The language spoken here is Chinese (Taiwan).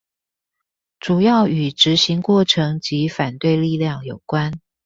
主要與執行過程及反對力量有關